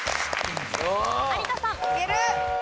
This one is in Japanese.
有田さん。